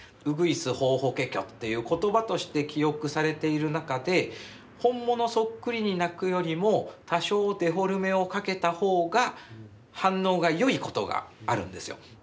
うぐいすホーホケキョという言葉として記憶されている中で本物そっくりに鳴くよりも多少デフォルメをかけた方が反応がよいことがあるんですよ。